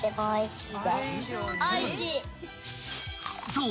［そう。